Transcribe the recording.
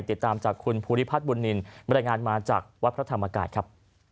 ติดตามจากคุณภูริพัฒน์บุญนินบรรยายงานมาจากวัดพระธรรมกายครับ